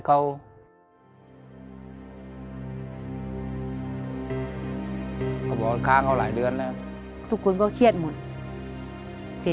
และกับผู้จัดการที่เขาเป็นดูเรียนหนังสือ